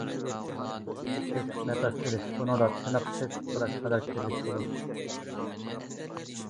سېسىق نەپەس ئېلىش بۇنىڭدا تىنىق سېسىق پۇراش خاراكتېرلىك بولىدۇ.